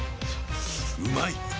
うまい！